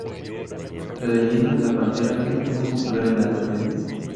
La leyenda de la pantera era muy popular en la Edad Media.